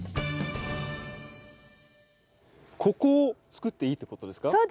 ここをつくっていいってことですか？